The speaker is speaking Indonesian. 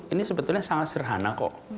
ini sebetulnya sangat serhana kok